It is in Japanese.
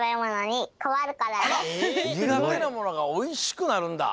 にがてなものがおいしくなるんだ。